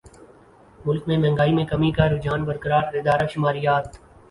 ملک میں مہنگائی میں کمی کا رجحان برقرار ادارہ شماریات